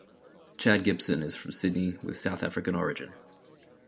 Chad Gibson is from Sydney with South African origin.